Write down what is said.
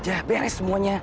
tenang aja beres semuanya